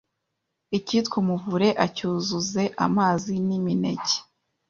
ikitwa umuvure acyuzuze amazi n’imineke